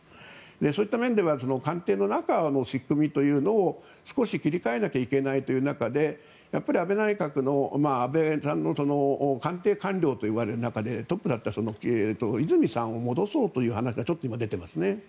そういった面では官邸の中の仕組みを少し切り替えないといけない中で安倍さんの官邸官僚といわれる中でトップだったといわれる和泉さんを戻そうという話が今、出ていますね。